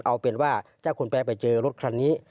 เอาเป็นว่าถ้าคนแปลไปเจอรถคันนี้